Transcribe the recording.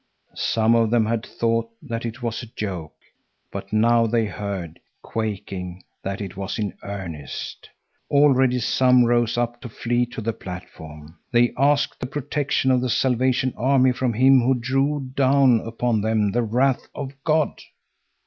Some of them had thought that it was a joke. But now they heard, quaking, that it was in earnest. Already some rose up to flee to the platform. They asked the protection of the Salvation Army from him who drew down upon them the wrath of God.